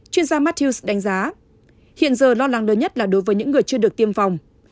chuyên gia mathils đánh giá hiện giờ lo lắng lớn nhất là đối với những người chưa được tiêm phòng